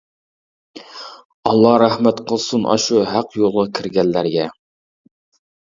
ئاللا رەھمەت قىلسۇن ئاشۇ ھەق يولغا كىرگەنلەرگە.